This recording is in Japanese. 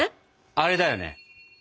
あれだよね？